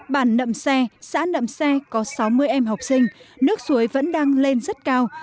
bản nậm xe xã nậm xe có sáu mươi em học sinh nước suối vẫn đang lên rất cao